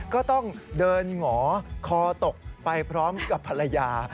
ก็ต้องเดินหงอคอตกไปพร้อมกับภรรยา